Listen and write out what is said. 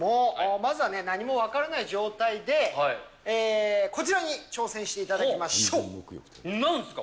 まずはね、何も分からない状態で、こちらに挑戦していただきましょなんすか？